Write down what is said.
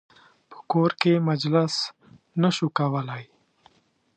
په کور کې مجلس نه شو کولای.